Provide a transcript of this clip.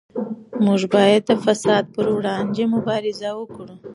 موږ باید د فساد پر وړاندې مبارزه وکړو.